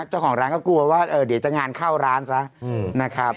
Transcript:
เจ้าของร้านก็กลัวว่าเดี๋ยวจะงานเข้าร้านซะนะครับ